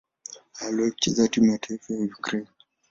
Aliwahi kucheza timu ya taifa ya Ukraine.